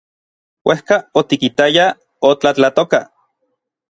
Uejka otikitayaj otlatlatoka.